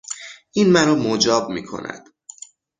این مرا مجاب میکند.